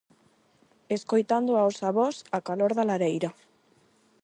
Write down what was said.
Escoitando aos avós á calor da lareira.